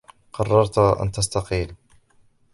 قررت أن تستقيل.